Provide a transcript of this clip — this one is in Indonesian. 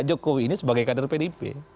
jokowi ini sebagai kader pdip